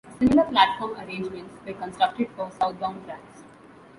Similar platform arrangements were constructed for southbound tracks.